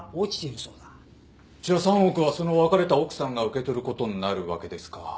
じゃあ３億はその別れた奥さんが受け取る事になるわけですか。